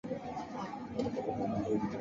其父张其锽。